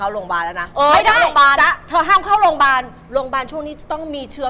เออแล้วเราเป็นคนสายมูนเนอะ